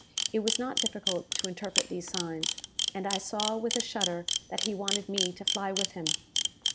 It was not difficult to interpret these signs, and I saw with a shudder that he wanted me to fly with him.